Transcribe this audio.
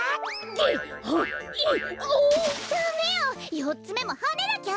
よっつめもはねなきゃ！